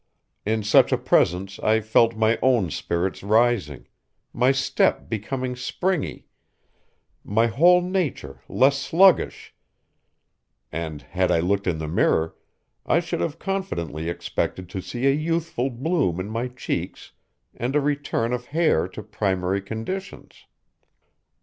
In such a presence I felt my own spirits rising, my step becoming springy, my whole nature less sluggish, and, had I looked in the mirror, I should have confidently expected to see a youthful bloom in my cheeks and a return of hair to primary conditions.